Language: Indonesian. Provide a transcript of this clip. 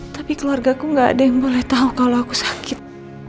tapi keluargaku gak ada yang boleh tahu kalau aku sakit